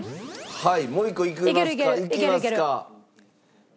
はい。